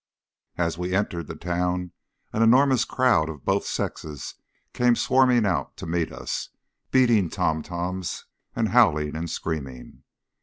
As we entered the town an enormous crowd of both sexes came swarming out to meet us, beating tom toms and howling and screaming.